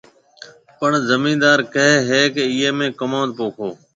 پڻ زميندار ڪهيَ هيَ ڪيَ ايئي ۾ ڪموُند پوکو۔